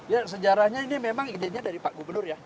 ya sejarahnya ini memang idenya dari pak gubernur ya